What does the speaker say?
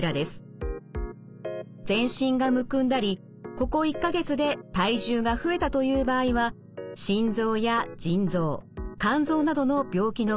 全身がむくんだりここ１か月で体重が増えたという場合は心臓や腎臓肝臓などの病気の疑いがあります。